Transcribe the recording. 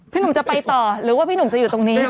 หนุ่มจะไปต่อหรือว่าพี่หนุ่มจะอยู่ตรงนี้